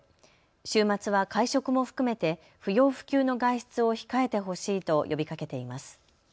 週末は会食も含めて不要不急の外出を控えてほしいと呼びかけています。